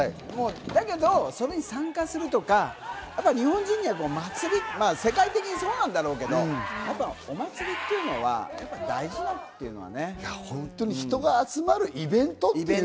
だけどそれに参加するとか、日本人には祭り、世界的にそうなんだろうけど、お祭りっていうの人が集まるイベント。